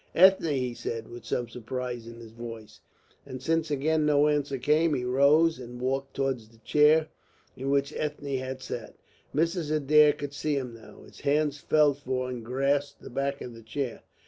"Ethne!" he said, with some surprise in his voice; and since again no answer came, he rose, and walked towards the chair in which Ethne had sat. Mrs. Adair could see him now. His hands felt for and grasped the back of the chair.